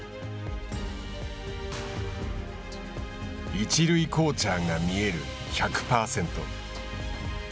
一塁コーチャーが見える１００％。